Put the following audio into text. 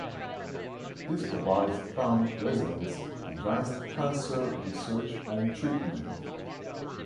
This provides Thumb residents advanced cancer research and treatment.